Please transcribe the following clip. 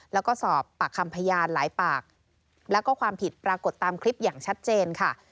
แล้วก็สอบปากคำพยานหลายปากแล้วก็ความผิดปรากฏตามคลิปอย่างชัดเจนค่ะ